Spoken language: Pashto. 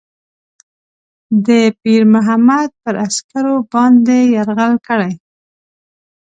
د پیرمحمد پر عسکرو باندي یرغل کړی.